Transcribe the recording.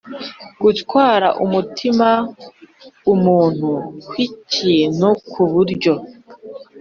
gutwara umutima umuntu kw’ikintu ku buryo